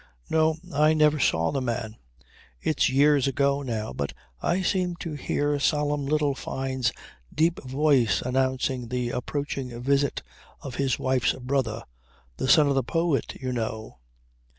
"No. I never saw the man. It's years ago now, but I seem to hear solemn little Fyne's deep voice announcing the approaching visit of his wife's brother "the son of the poet, you know."